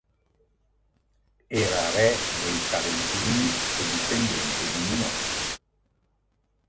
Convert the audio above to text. Era re dei Salentini e discendente di Minosse.